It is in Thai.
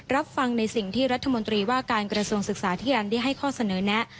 รับฟังในสิ่งที่รัฐมนตรีว่าการกระทรวงศึกษาธิการได้ให้ข้อเสนอแนะ